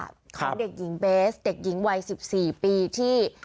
ของเด็กหญิงเบสเด็กหญิงวัย๑๔ปีที่